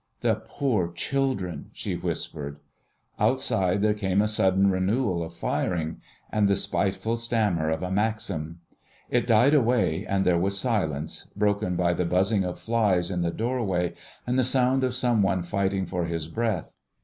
"The poor children," she whispered. Outside there came a sudden renewal of firing and the spiteful stammer of a maxim. It died away, and there was silence, broken by the buzzing of flies in the doorway and the sound of some one fighting for his breath.